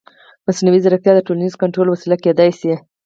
مصنوعي ځیرکتیا د ټولنیز کنټرول وسیله کېدای شي.